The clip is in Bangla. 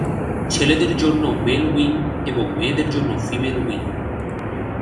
ছেলেদের জন্য মেল উইং এবং মেয়েদের জন্য ফিমেল উইং।